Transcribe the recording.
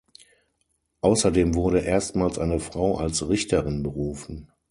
Außerdem wurde erstmals eine Frau als Richterin berufen.